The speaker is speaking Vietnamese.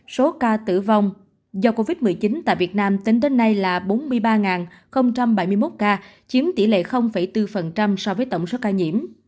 số ca tử vong do covid một mươi chín tại việt nam tính đến nay là bốn mươi ba bảy mươi một ca chiếm tỷ lệ bốn so với tổng số ca nhiễm